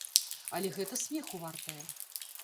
Але гэта смеху вартае.